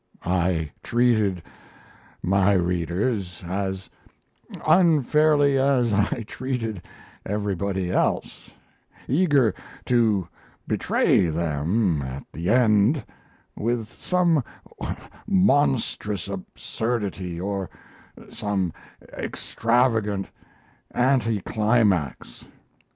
I treated my readers as unfairly as I treated everybody else eager to betray them at the end with some monstrous absurdity or some extravagant anti climax.